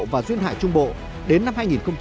và duyên hải trung bộ đến năm hai nghìn ba mươi